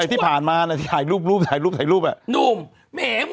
แต่ที่ผ่านมานะที่ถ่ายรูปถ่ายรูปถ่ายรูปอะ